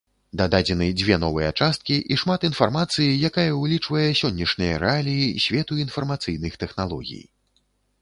Дададзены дзве новыя часткі і шмат інфармацыі, якая ўлічвае сённяшнія рэаліі свету інфармацыйных тэхналогій.